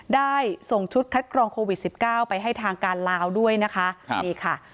ได้ส่งชุดคัดกรองโควิดสิบเก้าไปให้ทางการลาวด้วยนะคะครับนี่ค่ะ